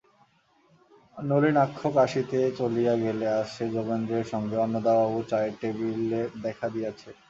নলিনাক্ষ কাশীতে চলিয়া গেলে আজ সে যোগেন্দ্রের সঙ্গে অন্নদাবাবুর চায়ের টেবিলে দেখা দিয়াছে।